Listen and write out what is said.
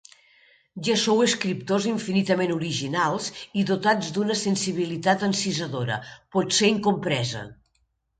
Ja sou escriptors infinitament originals i dotats d'una sensibilitat encisadora, potser incompresa.